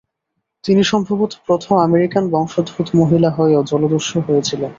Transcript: তিনি সম্ভবত প্রথম আমেরিকান বংশোদ্ভূত মহিলা হয়েও জলদস্যু হয়েছিলেন।